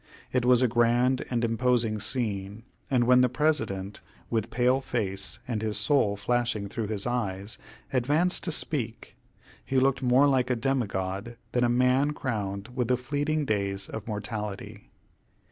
It was a grand and imposing scene, and when the President, with pale face and his soul flashing through his eyes, advanced to speak, he looked more like a demigod than a man crowned with the fleeting days of mortality.